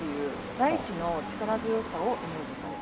大地の力強さをイメージされた。